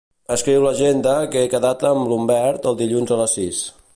Escriu l'agenda que he quedat amb l'Humbert el dilluns a les sis.